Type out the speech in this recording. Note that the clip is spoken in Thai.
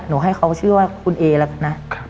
หนูให้เขาชื่อว่าคุณเอละนะ